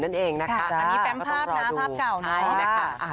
นี่แปมภาพเก่าใน